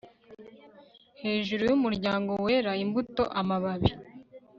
Hejuru yumuryango wera imbuto amababi